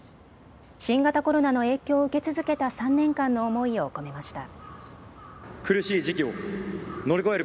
新型コロナの影響を受け続けた３年間の思いを込めました。